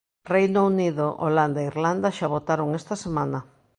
Reino Unido, Holanda e Irlanda xa votaron esta semana.